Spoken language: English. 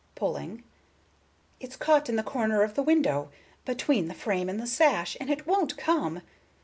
—pulling. "It's caught in the corner of the window, between the frame and the sash, and it won't come!